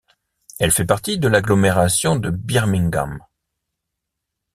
Elle fait partie de l'agglomération de Birmingham.